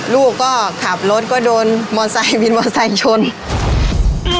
ลูกก็ขับรถก็โดนมอเซย์บินมอเซย์ชน